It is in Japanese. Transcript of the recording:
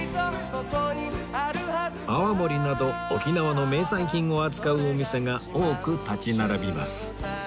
泡盛など沖縄の名産品を扱うお店が多く立ち並びます